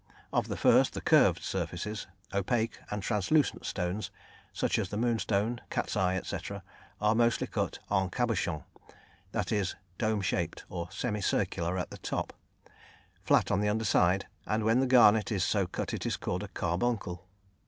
Of the first, the curved surfaces, opaque and translucent stones, such as the moonstone, cat's eye, etc., are mostly cut en cabochon, that is, dome shaped or semi circular at the top, flat on the underside, and when the garnet is so cut it is called a carbuncle.